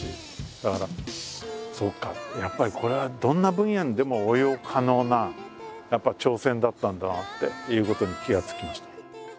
だからそうかやっぱりこれはどんな分野にでも応用可能なやっぱり挑戦だったんだなっていうことに気が付きました。